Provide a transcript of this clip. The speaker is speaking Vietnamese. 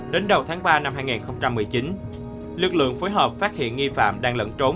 đến đầu tháng ba năm hai nghìn một mươi chín lực lượng phối hợp phát hiện nghi phạm đang lẫn trốn